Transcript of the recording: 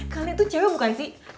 kalian tuh cewek bukan sih